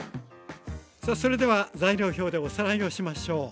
さあそれでは材料表でおさらいをしましょう。